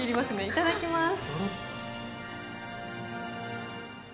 いただきます。